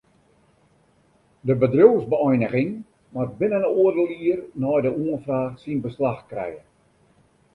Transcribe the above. De bedriuwsbeëiniging moat binnen oardel jier nei de oanfraach syn beslach krije.